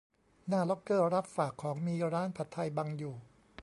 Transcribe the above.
หน้าล็อกเกอร์รับฝากของ มีร้านผัดไทยบังอยู่